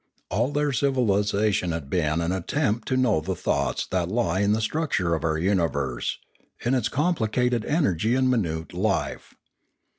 All their civilisa tion had been an attempt to know the thoughts that lie in the structure of our universe, in its complicated energy and minute life.